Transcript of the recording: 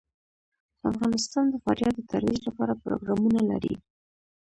افغانستان د فاریاب د ترویج لپاره پروګرامونه لري.